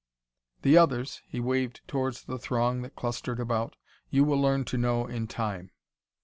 "The others," he waved toward the throng that clustered about "you will learn to know in time."